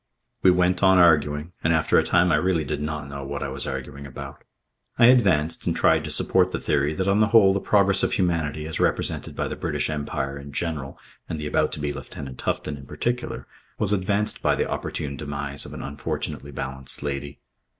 We went on arguing, and after a time I really did not know what I was arguing about. I advanced and tried to support the theory that on the whole the progress of humanity as represented by the British Empire in general and the about to be Lieutenant Tufton in particular, was advanced by the opportune demise of an unfortunately balanced lady.